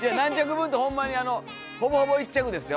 分ってほんまにほぼほぼ１着ですよ。